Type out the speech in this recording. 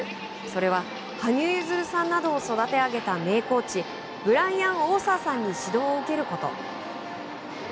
それは羽生結弦さんなどを育て上げた名コーチブライアン・オーサーさんに指導を受けること。